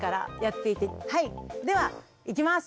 はいではいきます。